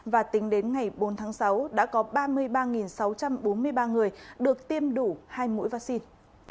và tính đến ngày bốn tháng sáu đã có ba mươi ba sáu trăm bốn mươi ba người được tiêm đủ hai mũi vaccine